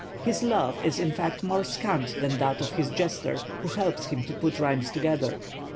His love is in fact more scant than that of his jester who helps him to put rhymes together.